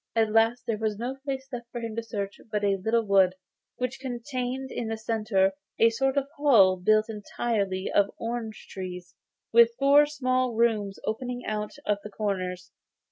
At last there was no place left for him to search but a little wood, which contained in the centre a sort of hall built entirely of orange trees, with four small rooms opening out of the corners.